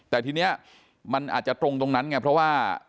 แต่ทีนี้มันอาจจะตรงตรงนั้นไงเพราะว่า